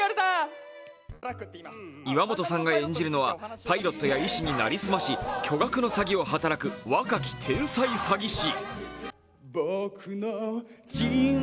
岩本さんが演じるのはパイロットや医師に成り済まし、巨額の詐欺を働く若き天才詐欺師。